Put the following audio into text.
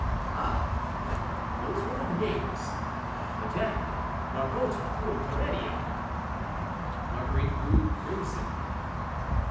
Ah! those were the names, madame—'Margota cum Turennio.'" Marguerite grew crimson.